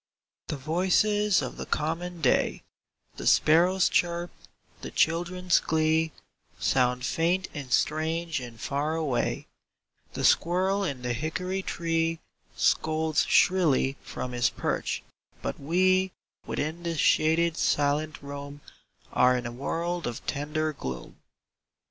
TTHE voices of the common day —^ The sparrow's chirp, the children's glee Sound faint and strange and far away : The squirrel in the hickoi 3^ tree Scolds shrilly from his perch, but we Within this shaded silent room Are in a world of tender gloom.